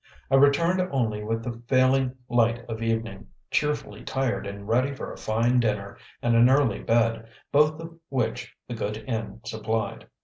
I returned only with the failing light of evening, cheerfully tired and ready for a fine dinner and an early bed, both of which the good inn supplied.